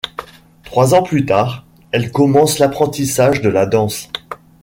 Trois ans plus tard, elle commence l'apprentissage de la danse.